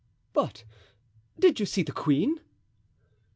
"But did you see the queen?"